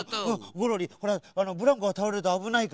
ゴロリブランコがたおれるとあぶないからね